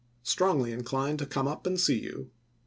Strongly inclined to come up and see you.